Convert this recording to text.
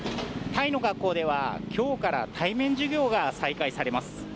タイの学校では、きょうから対面授業が再開されます。